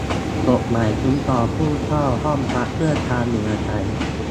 กฎหมายคุ้มครองผู้เช่าห้องพักเพื่อการอยู่อาศัย